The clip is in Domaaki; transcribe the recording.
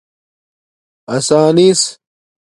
اسݳنس